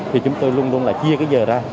thì chúng tôi luôn luôn chia giờ ra